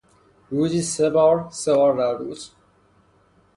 روزی سه بار، سه بار در روز